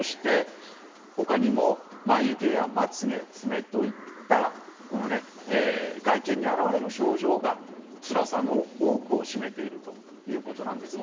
他にも眉毛やまつげ、爪といった外見に現れる症状がつらさの多くを占めているということなんですね。